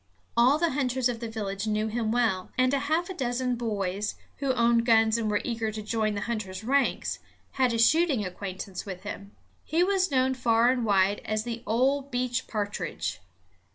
All the hunters of the village knew him well; and a half dozen boys, who owned guns and were eager to join the hunters' ranks, had a shooting acquaintance with him. He was known far and wide as "the ol' beech pa'tridge."